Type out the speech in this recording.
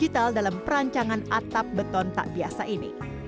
digital dalam perancangan atap beton tak biasa ini